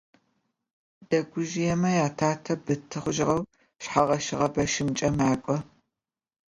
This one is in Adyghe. Дэгужъыемэ ятатэ быты хъугъэу шъхьэгъэщыгъэ бэщымкӏэ макӏо.